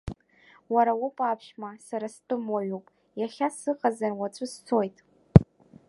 Уара уоуп аԥшәма, сара стәым-уаҩуп, иахьа сыҟазар, уаҵәы сцоит.